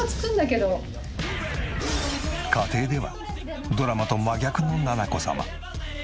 家庭ではドラマと真逆の奈々子様。